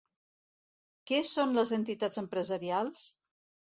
Què són les entitats empresarials?